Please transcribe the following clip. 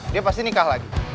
dia pasti nikah lagi